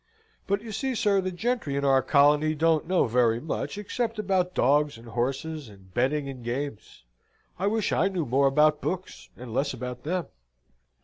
But you see, sir, the gentry in our colony don't know very much, except about dogs and horses, and betting and games. I wish I knew more about books, and less about them."